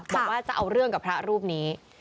บอกว่าจะเอาเรื่องกับพระรูปนี้